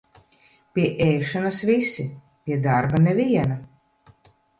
Pie ēšanas visi, pie darba neviena.